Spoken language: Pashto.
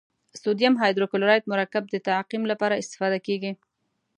سوډیم هایپوکلورایت مرکب د تعقیم لپاره استفاده کیږي.